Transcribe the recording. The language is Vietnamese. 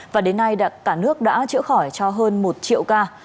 và đến nay cả nước đã chữa khỏi cho hơn một triệu ca